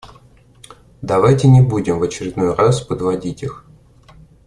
Давайте не будем в очередной раз подводить их!